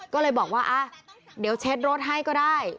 ก็เลยบอกว่าเดี๋ยวเช็ดรถให้ก็ได้